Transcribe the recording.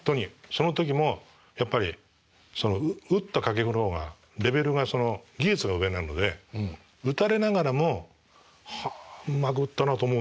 その時もやっぱり打った掛布の方がレベルが技術が上なので打たれながらも「はあうまく打ったな」と思うんですよ。